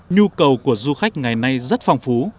nhu cầu của du khách ngày nay rất phong phú